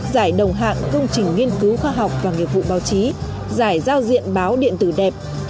giải đồng hạng công trình nghiên cứu khoa học và nghiệp vụ báo chí giải giao diện báo điện tử đẹp